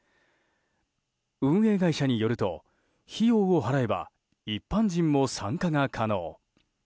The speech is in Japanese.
運営会社によると、費用を払えば一般人も参加が可能。